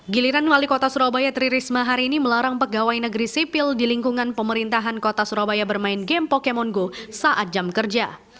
giliran wali kota surabaya tri risma hari ini melarang pegawai negeri sipil di lingkungan pemerintahan kota surabaya bermain game pokemon go saat jam kerja